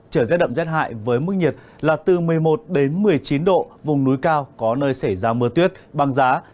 trời rét đậm rét hại với mức nhiệt là từ một mươi một đến một mươi chín độ vùng núi cao có nơi xảy ra mưa tuyết băng giá